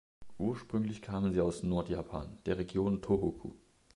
Ursprünglich kamen sie aus Nordjapan, der Region Tohoku.